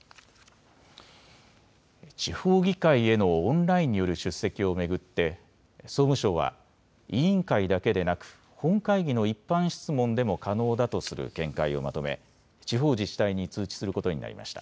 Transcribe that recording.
地方議会へのオンラインによる出席を巡って総務省は委員会だけでなく本会議の一般質問でも可能だとする見解をまとめ、地方自治体に通知することになりました。